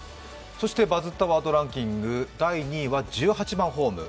「バズったワードランキング」、第２位は１８番ホール。